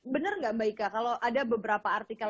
bener gak mbak ika kalau ada beberapa artikel